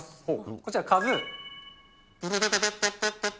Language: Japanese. こちら、カズー。